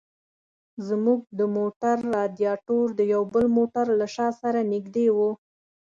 زموږ د موټر رادیاټور د یو بل موټر له شا سره نږدې و.